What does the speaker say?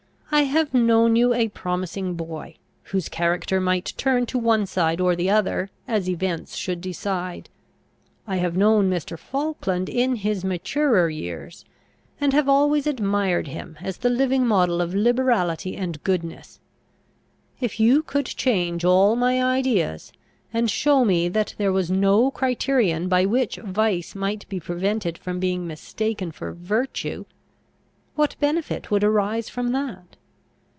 I have known you a promising boy, whose character might turn to one side or the other as events should decide. I have known Mr. Falkland in his maturer years, and have always admired him, as the living model of liberality and goodness. If you could change all my ideas, and show me that there was no criterion by which vice might be prevented from being mistaken for virtue, what benefit would arise from that?